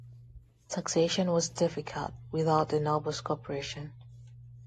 Taxation was difficult without the nobles' cooperation.